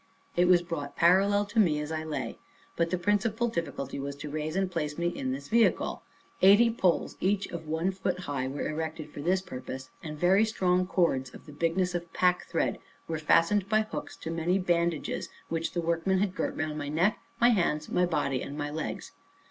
It was brought parallel to me as I lay. But the principal difficulty was, to raise and place me in this vehicle. Eighty poles, each of one foot high, were erected for this purpose, and very strong cords, of the bigness of packthread, were fastened by hooks to many bandages, which the workmen had girt round my neck, my hands, my body, and my legs.